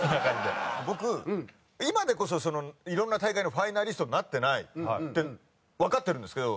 僕今でこそいろんな大会のファイナリストになってないってわかってるんですけど。